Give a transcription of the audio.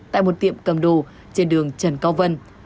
tại một tiệm cầm đồ trên đường trần cao vân